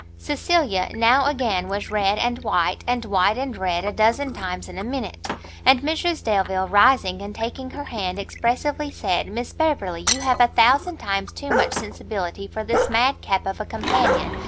Cecilia, now again was red and white, and white and red a dozen times in a minute; and Mrs Delvile, rising and taking her hand, expressively said, "Miss Beverley, you have a thousand times too much sensibility for this mad cap of a companion.